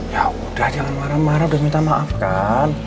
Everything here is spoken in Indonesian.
ya udah jangan marah marah udah minta maaf kan